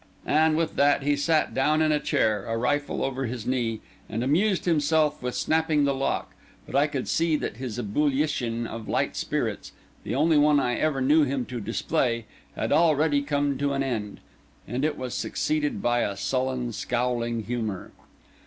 And with that he sat down in a chair, a rifle over his knee, and amused himself with snapping the lock; but I could see that his ebullition of light spirits (the only one I ever knew him to display) had already come to an end, and was succeeded by a sullen, scowling humour.